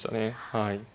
はい。